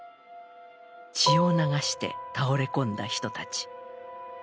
血を流して倒れ込んだ人たち。